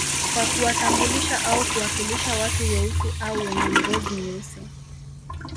Kwa kuwatambulisha au kuwakilisha watu weusi au wenye ngoz nyeusi